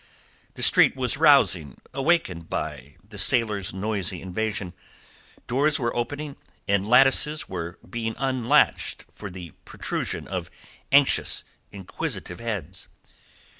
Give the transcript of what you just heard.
The street was rousing, awakened by the sailor's noisy advent; doors were opening, and lattices were being unlatched for the protrusion of anxious, inquisitive heads.